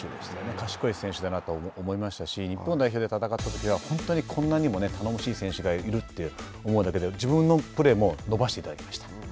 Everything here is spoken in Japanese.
賢い選手だなと思いましたし日本代表で戦ったときは本当にこんなにも頼もしい選手がいるって自分のプレーも伸ばしていただきました。